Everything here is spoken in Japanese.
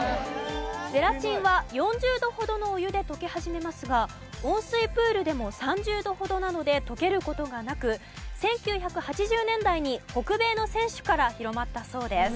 ゼラチンは４０度ほどのお湯で溶け始めますが温水プールでも３０度ほどなので溶ける事がなく１９８０年代に北米の選手から広まったそうです。